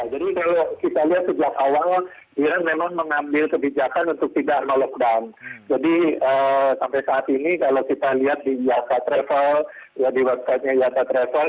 ya jadi kalau kita lihat sejak awal